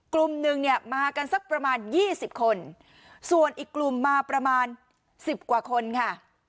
กลุ่มหนึ่งเนี่ยมากันสักประมาณยี่สิบคนส่วนอีกกลุ่มมาประมาณสิบกว่าคนค่ะ